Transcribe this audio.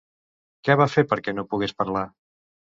Què va fer perquè no pogués parlar?